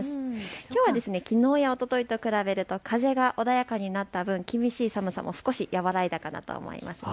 きょうはきのうやおとといと比べると風が穏やかになった分厳しい寒さも少し和らいだかと思います。